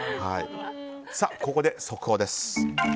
ここで速報です。